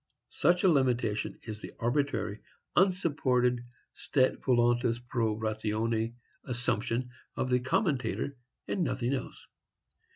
Such a limitation is the arbitrary, unsupported stet voluntas pro ratione assumption of the commentator, and nothing else.